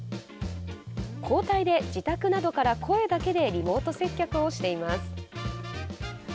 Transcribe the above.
交代で、自宅などから声だけでリモート接客をしています。